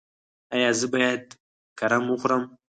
ایا زه باید کرم وخورم؟